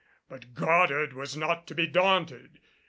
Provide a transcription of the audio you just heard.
But Goddard was not to be daunted.